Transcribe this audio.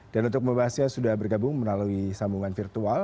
dan untuk membahasnya sudah bergabung melalui sambungan virtual